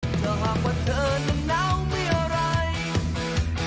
ถามว่าเธอน้ำน้ำไม่อ่ะร่าย